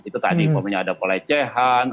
itu tadi umpamanya ada pelecehan